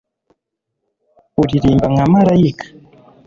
uririmba nka malayika